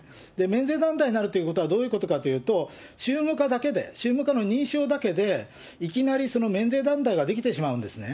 免税団体になるということは、どういうことかと言うと、宗務課だけで、宗務課の認証だけで、いきなり免税団体ができてしまうんですね。